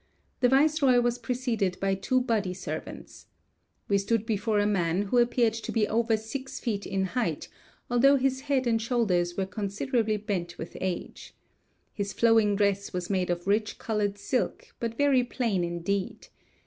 The viceroy was preceded by two body servants. We stood before a man who appeared to be over six feet in height, although his head and shoulders were VI 201 considerably bent with age. His flowing dress was made of rich colored silk, but very plain indeed.